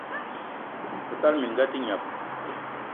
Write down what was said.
O tala minga a te gneb!